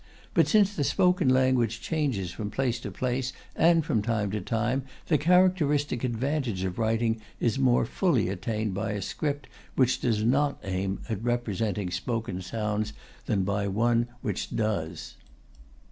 But since the spoken language changes from place to place and from time to time, the characteristic advantage of writing is more fully attained by a script which does not aim at representing spoken sounds than by one which does.